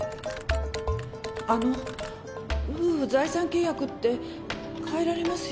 あの夫婦財産契約って変えられますよね？